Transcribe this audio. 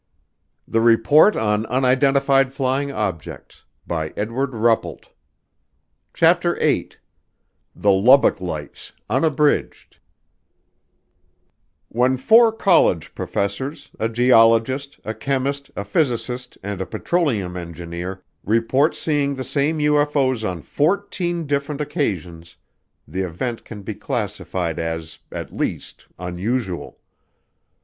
They automatically got a higher priority than the Long Beach Incident. CHAPTER EIGHT The Lubbock Lights, Unabridged When four college professors, a geologist, a chemist, a physicist, and a petroleum engineer, report seeing the same UFO's on fourteen different occasions, the event can be classified as, at least, unusual.